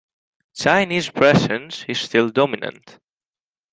Chinese presence is still dominant.